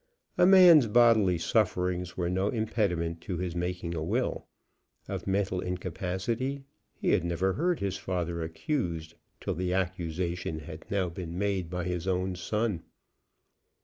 A man's bodily sufferings were no impediment to his making a will; of mental incapacity he had never heard his father accused till the accusation had now been made by his own son.